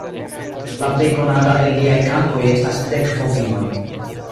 La plej konata el liaj kantoj estas Dek bovinoj.